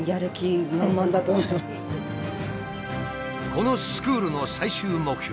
このスクールの最終目標